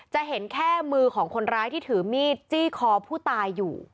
จะเห็นแค่มือของคนร้ายที่ถือมีดจี้คอผู้ตายอยู่